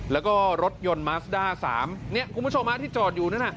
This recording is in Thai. แล้วก็รถยนต์มาซด้าสามเนี้ยคุณผู้ชมอาทิตย์จอดอยู่นั่นอ่ะ